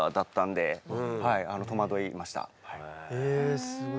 えすごい。